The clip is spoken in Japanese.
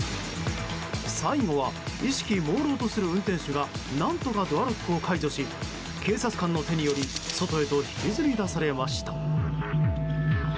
最後は意識もうろうとする運転手が何とかドアロックを解除し警察官の手により外へと引きずり出されました。